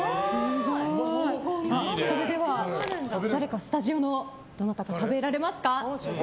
それでは、スタジオのどなたか食べられますか？